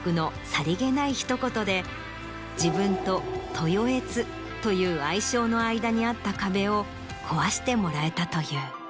で自分とトヨエツという愛称の間にあった壁を壊してもらえたという。